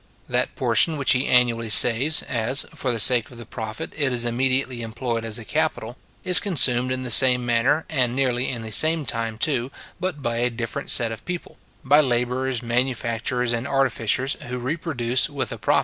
That portion which he annually saves, as, for the sake of the profit, it is immediately employed as a capital, is consumed in the same manner, and nearly in the same time too, but by a different set of people: by labourers, manufacturers, and artificers, who reproduce, with a profit, the value of their annual consumption.